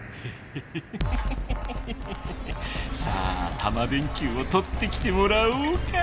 さあタマ電Ｑをとってきてもらおうか。